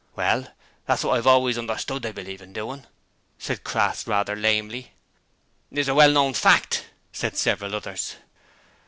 'Well, that's what I've always understood they believed in doing,' said Crass rather lamely. 'It's a well known fact,' said several others.